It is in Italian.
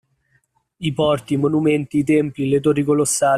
I porti, i monumenti, i templi, le torri colossali